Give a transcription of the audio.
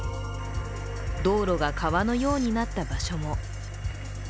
道路が川のようになった場所も。